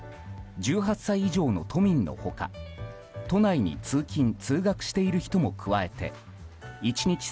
１８歳以上の都民の他、都内に通勤・通学している人も加えて１日